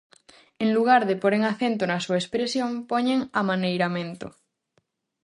En lugar de poren acento na súa expresión, poñen amaneiramento.